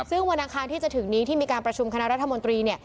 ซึ่งวันนั้นที่จะถึงนี้ที่จะมีการประชุมคณะรัฐมนตรี